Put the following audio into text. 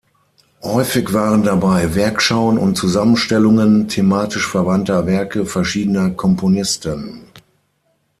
Häufig waren dabei Werkschauen und Zusammenstellungen thematisch verwandter Werke verschiedener Komponisten.